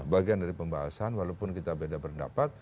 bagian dari pembahasan walaupun kita beda pendapat